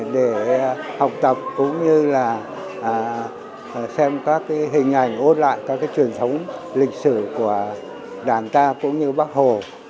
để học tập cũng như là xem các hình ảnh ôn lại các truyền thống lịch sử của đảng ta cũng như bác hồ